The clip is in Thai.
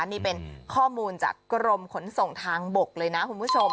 นี่เป็นข้อมูลจากกรมขนส่งทางบกเลยนะคุณผู้ชม